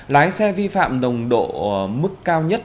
lái xe vi phạm nồng độ mức cao nhất